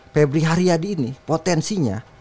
pebri haryadi ini potensinya